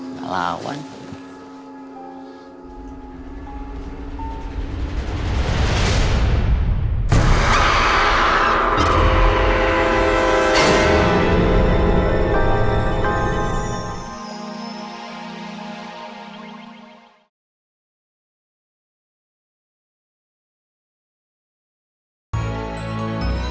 nah lah wani